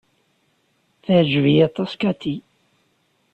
Teɛjeb-iyi aṭas Cathy.